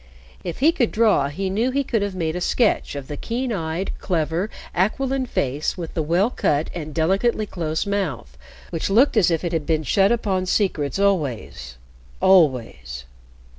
If he could draw, he knew he could have made a sketch of the keen eyed, clever, aquiline face with the well cut and delicately close mouth, which looked as if it had been shut upon secrets always always.